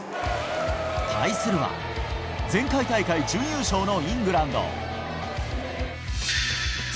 対するは、前回大会準優勝のイングランド。